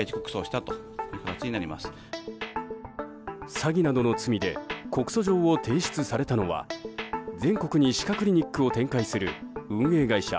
詐欺などの罪で告訴状を提出されたのは全国に歯科クリニックを展開する運営会社